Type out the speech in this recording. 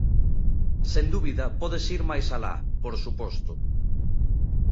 Sen dúbida, pódese ir máis alá, por suposto.